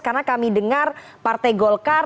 karena kami dengar partai golkar